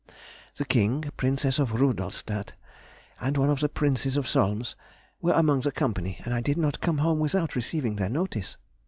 The King, Princess of Rüdolstadt, and one of the Princes of Solms were among the company, and I did not come home without receiving their notice.